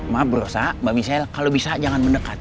maaf bro mbak michelle kalau bisa jangan mendekat